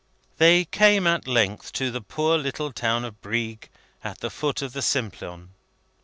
They came, at length, to the poor little town of Brieg, at the foot of the Simplon.